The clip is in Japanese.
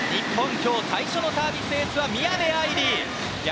今日最初のサービスエースは宮部藍梨！